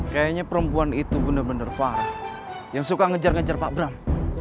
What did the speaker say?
kayaknya perempuan itu bener bener farah yang suka ngejar ngejar pak bram